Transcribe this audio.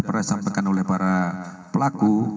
pernah disampaikan oleh para pelaku